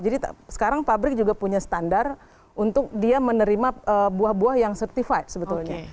jadi sekarang pabrik juga punya standar untuk dia menerima buah buah yang certified sebetulnya